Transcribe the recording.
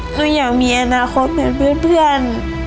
หนูอยากมีอนาคตเหมือนเพื่อน